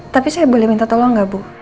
tapi saya boleh minta tolong gak bu